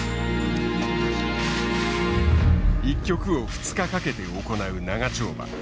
１局を２日かけて行う長丁場。